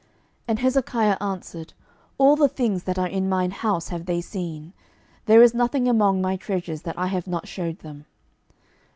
And Hezekiah answered, All the things that are in mine house have they seen: there is nothing among my treasures that I have not shewed them.